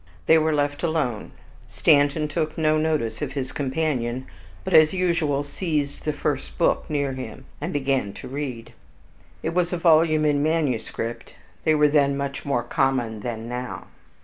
They were left alone. Stanton took no notice of his companion, but as usual seized the first book near him, and began to read. It was a volume in manuscript, they were then much more common than now.